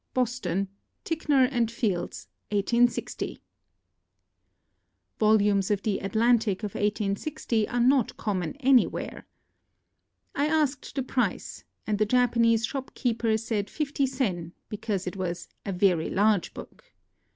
Boston ; Ticknor & Fields. 1860." Volumes of The Atlantic of 1860 are not com mon anywhere. I asked the price ; and the Japanese shopkeeper said fifty sen, because it was "a very large book."